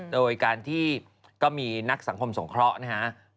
โดยการที่ก็มีนักสังคมสงเคราะห์นะครับ